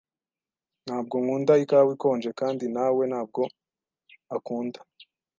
Ntabwo nkunda ikawa ikonje, kandi na we ntabwo akunda.